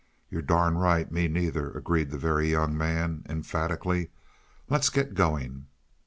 "You're darn right me neither," agreed the Very Young Man emphatically. "Let's get going."